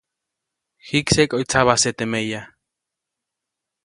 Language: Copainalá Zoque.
Jikseʼk ʼoyu tsabajse teʼ meya.